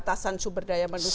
keterbatasan sumber daya manusia